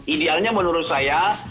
idealnya menurut saya